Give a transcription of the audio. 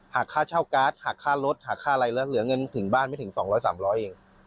หากค่าเช่าการ์ดหักค่ารถหักค่าอะไรแล้วเหลือเงินถึงบ้านไม่ถึง๒๐๐๓๐๐เอง